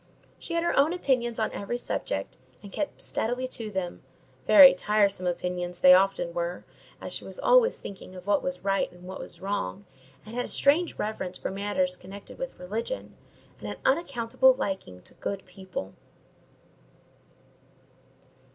She had her own opinions on every subject, and kept steadily to them—very tiresome opinions they often were; as she was always thinking of what was right and what was wrong, and had a strange reverence for matters connected with religion, and an unaccountable liking to good people."